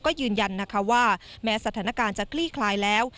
ก็ยืนยันนะคะว่าแม้สถานการณ์จะคลี่คลายแล้ว